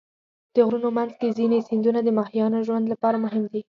د غرونو منځ کې ځینې سیندونه د ماهیانو ژوند لپاره مهم دي.